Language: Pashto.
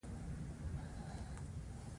او کشر زوی مې عمر محمد و هغه به اتلس کلن و.